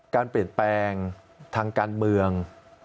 การเปลี่ยนแปลงทางการเมือง